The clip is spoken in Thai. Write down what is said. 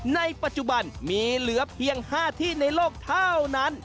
ในปัจจุบันมีเหลือเพียง๕ที่ในโลกเท่านั้น